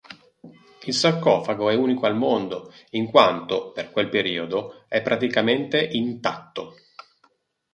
Il sarcofago è unico al mondo in quanto, per quel periodo, è praticamente intatto.